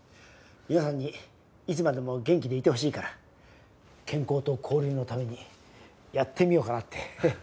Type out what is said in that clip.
皆さんにいつまでも元気でいてほしいから健康と交流のためにやってみようかなって。